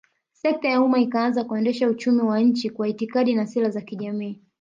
Sekta ya umma ikaanza kuendesha uchumi wa nchi Kwa itikadi na sera za kijamaa